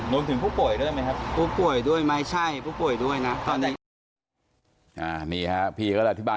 รวมถึงผู้ป่วยด้วยไหมครับ